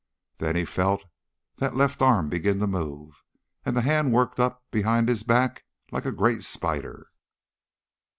Then he felt that left arm begin to move, and the hand worked up behind his back like a great spider.